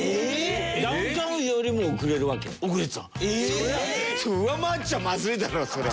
それは上回っちゃまずいだろそれは。